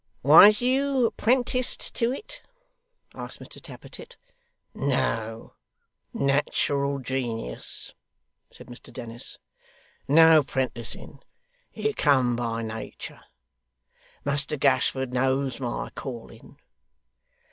'Was you 'prenticed to it?' asked Mr Tappertit. 'No. Natural genius,' said Mr Dennis. 'No 'prenticing. It come by natur'. Muster Gashford knows my calling.